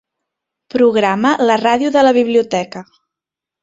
Programa la ràdio de la biblioteca.